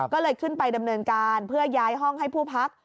ก็เลยขึ้นไปดำเนินการเพื่อย้ายห้องให้ผู้พัก